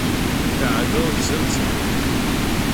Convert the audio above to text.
Шәаагыл, шәзымцеит!